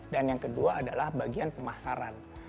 dan yang kedua adalah bagian pemasaran